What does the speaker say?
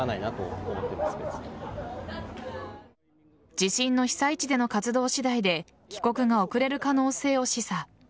地震の被災地での活動次第で帰国が遅れる可能性を示唆。